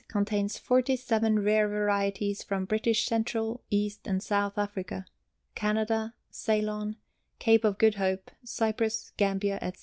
Contains 47 rare varieties from British Central, East, and South Africa, Canada, Ceylon, Cape of Good Hope, Cyprus, Gambia, etc.